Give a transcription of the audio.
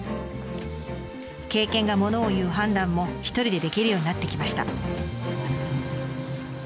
経験が物を言う判断も一人でできるようになってきました。